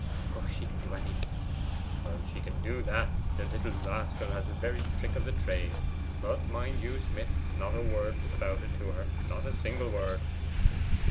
'She can do anything.' 'She can do that. The little rascal has the very trick of the trade. But, mind you, Smith, not a word about it to her, not a single word!